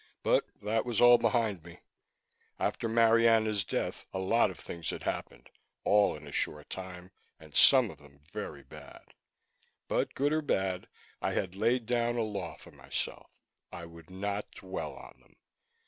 But that was all behind me. After Marianna's death, a lot of things had happened, all in a short time, and some of them very bad. But good or bad, I had laid down a law for myself: I would not dwell on them.